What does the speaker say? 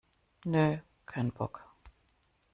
Nö, kein Bock!